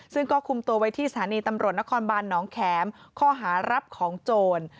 ซึ่งก็คุมตัวไว้ที่สถานีตำรวจนครบานน้องแข็มข้อหารับของโจร